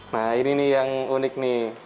nah ini nih yang unik nih